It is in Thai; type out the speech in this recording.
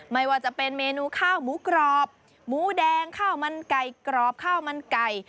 ไม่ว่าจะเป็นเมนูข้าวหมูกรอบหมูแดงข้าวมันไก่กรอบข้าวมันไก่